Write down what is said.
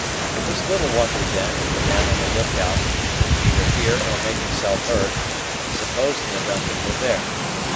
It was little wonder, then, if the man on the look out could neither hear nor make himself heard, supposing the DUNCAN were there.